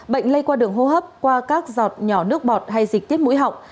bệnh lây qua đường hô hấp qua các giọt nhỏ nước bọt hay dịch tiết mũi họng